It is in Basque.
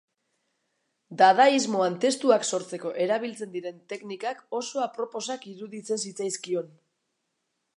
Dadaismoan testuak sortzeko erabiltzen diren teknikak oso aproposak iruditzen zitzaizkion.